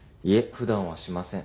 普段はしません。